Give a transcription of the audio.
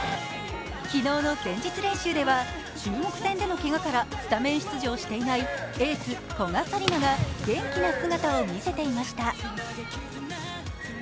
昨日の前日練習では、中国戦のけがからスタメン出場していないエース・古賀紗理那が、元気な姿を見せていました。